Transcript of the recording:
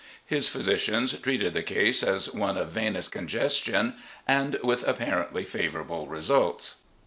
His physicians treated the case as one of venous congestion, and with apparently favourable results.